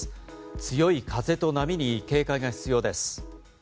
強い風と波に警戒が必要です。